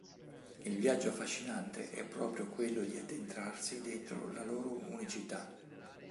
Il viaggio affascinante è proprio quello di addentrarsi dentro la loro unicità".